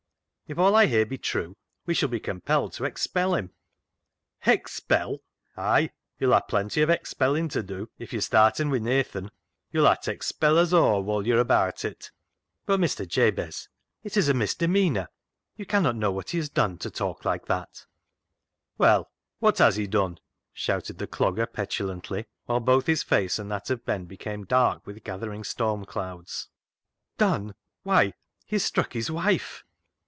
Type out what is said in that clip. If all I hear be true, we shall be compelled to expel him." " Hexpel ! Ay, yo'll ha' plenty of hex pellin' ta dew if yo' starten wi' Nathan. Yo'll ha' t' hexpel us aw woll yo're abaat it." io6 CLOG SHOP CHRONICLES " But, Mr. Jabez, it is a misdemeanour ; you cannot know what he has done, to talk like that." " Well, wot has he done ?" shouted the Clog ger petulantly, whilst both his face and that of Ben became dark with gathering storm clouds. " Done ? Why, he has struck his wife."